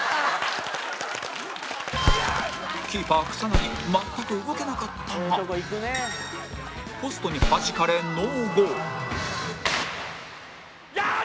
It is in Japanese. キーパー草薙全く動けなかったがポストにはじかれノーゴールやっ！